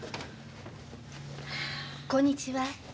こんにちは。